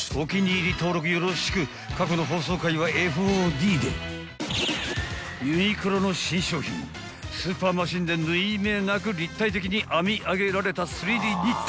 ２１［ユニクロの新商品スーパーマシンで縫い目なく立体的に編み上げられた３Ｄニット］